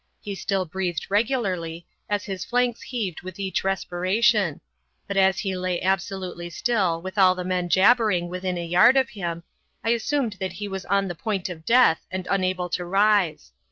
He still breathed regularly, as his flanks heaved with each respiration; but as he lay absolutely still with all the men jabbering within a yard of him, I assumed that he was on the point of death and unable to rise.